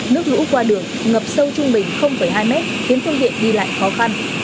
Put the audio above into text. nước lũ qua đường ngập sâu trung bình hai mét khiến phương tiện đi lại khó khăn